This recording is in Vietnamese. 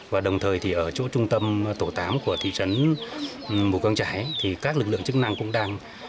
và đồng thời thì ở chỗ trung tâm tổ tám của thị trấn mù căng trải thì các lực lượng chức năng cũng đang